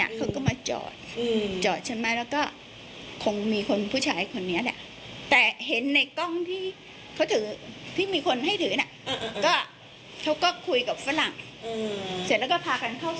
แล้วทำไมวกมาทางนี้ได้เราก็ไม่รู้